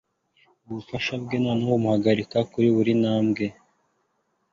ubufasha bwe noneho bumuhagarika kuri buri ntambwe